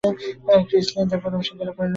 Chris Lynn তার প্রথম শিকারে পরিণত হয়েছিলেন।